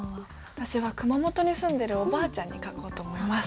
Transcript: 私は熊本に住んでいるおばあちゃんに書こうと思います。